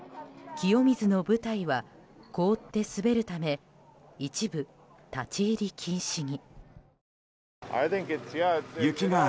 清水の舞台は凍って滑るため一部、立ち入り禁止に。